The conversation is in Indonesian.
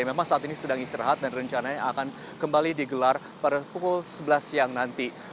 memang saat ini sedang istirahat dan rencananya akan kembali digelar pada pukul sebelas siang nanti